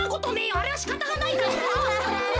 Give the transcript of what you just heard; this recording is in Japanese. あれはしかたがないだろ！